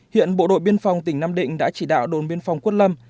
hiện bộ đội biên phòng tỉnh nam định đã chỉ đạo đồn biên phòng quất lâm